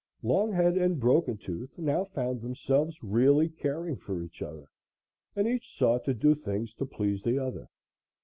Longhead and Broken Tooth now found themselves really caring for each other and each sought to do things to please the other.